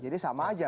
jadi sama aja